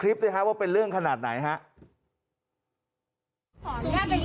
ในมุมนี้เราก็ไม่ได้ถือว่าทำสกปรกขนาดนั้นนะลูกค้า